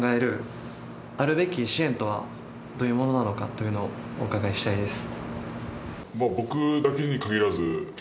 というのをお伺いしたいです。